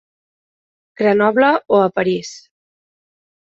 Grenoble o a París.